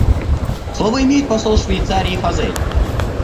Слово имеет посол Швейцарии Фазель.